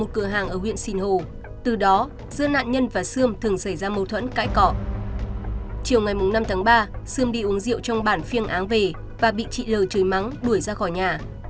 chiều ngày năm tháng ba sương đi uống rượu trong bản phiêng áng về và bị chị lờ trời mắng đuổi ra khỏi nhà